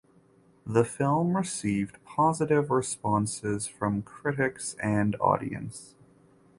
The film received positive responses from critics and audience.